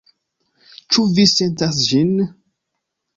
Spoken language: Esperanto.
Ĉu vi sentas ĝin?